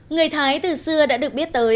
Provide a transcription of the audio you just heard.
người thái từ xưa đã được biết tới